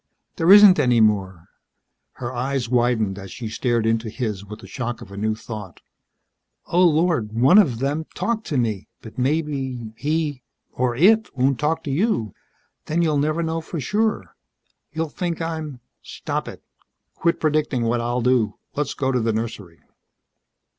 "There isn't any more." Her eyes widened as she stared into his with the shock of a new thought. "Oh, Lord! One of them talked to me, but maybe he or it won't talk to you. Then you'll never know for sure! You'll think I'm ..." "Stop it. Quit predicting what I'll do. Let's go to the nursery."